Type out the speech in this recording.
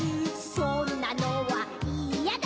そんなのはいやだ！